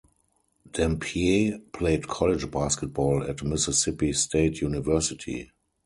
Dampier played college basketball at Mississippi State University.